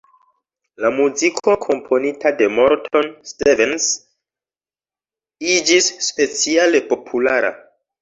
La muziko komponita de Morton Stevens iĝis speciale populara.